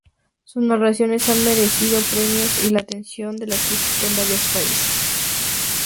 Sus narraciones han merecido premios y la atención de la crítica en varios países.